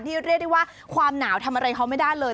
เรียกได้ว่าความหนาวทำอะไรเขาไม่ได้เลย